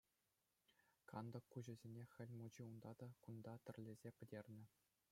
Кантӑк куҫӗсене Хӗл Мучи унта та кунта тӗрлесе пӗтернӗ.